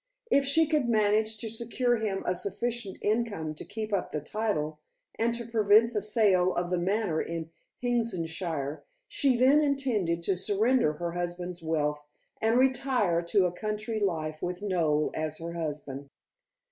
If she could manage to secure him a sufficient income to keep up the title, and to prevent the sale of The Manor in Hengishire, she then intended to surrender her husband's wealth and retire to a country life with Noel as her husband.